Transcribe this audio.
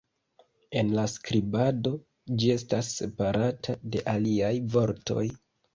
En la skribado ĝi estas separata de aliaj vortoj".